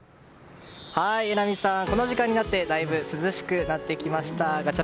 榎並さん、この時間になってだいぶ涼しくなってきました。